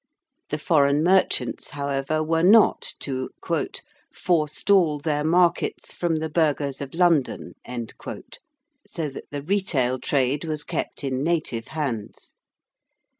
The foreign merchants, however, were not to 'forestall their markets from the burghers of London,' so that the retail trade was kept in native hands.